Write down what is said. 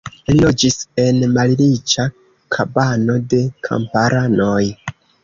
Li loĝis en malriĉa kabano de kamparanoj.